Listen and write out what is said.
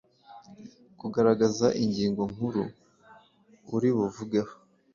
Kugaragaza ingingo nkuru uri buvugeho.